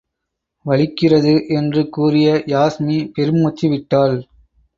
வலிக்கிறது என்று கூறிய யாஸ்மி பெருமூச்சு விட்டாள்.